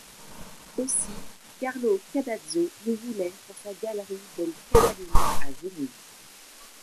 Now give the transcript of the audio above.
Aussi Carlo Cardazzo le voulait pour sa Galerie del Cavallino à Venise.